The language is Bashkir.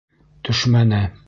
Төшмәне.